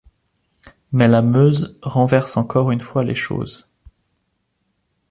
Mais la Meuse renverse encore une fois les choses.